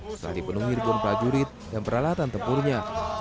telah dipenuhi repon prajurit dan peralatan tempurnya